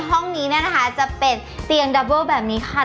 น่ะห้องนี้นะคะจะเป็นเตียงดับแบตนี้ค่ะ